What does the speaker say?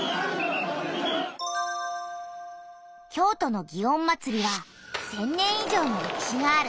京都の園祭は１，０００年以上のれきしがある。